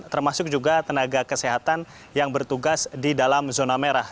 termasuk juga tenaga kesehatan yang bertugas di dalam zona merah